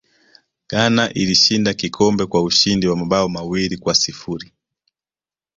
ghana ilishinda kikombe kwa ushindi wa mabao mawili kwa sifuri